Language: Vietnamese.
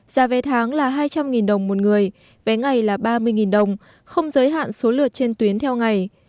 giá vé tháng là hai trăm linh đồng một người vé ngày là ba mươi đồng không giới hạn số lượt trên tuyến theo ngày